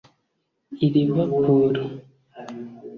i Liverpool